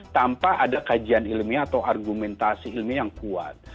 tanpa ada kajian ilmiah atau argumentasi ilmiah yang kuat